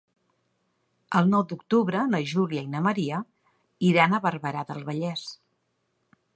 El nou d'octubre na Júlia i na Maria iran a Barberà del Vallès.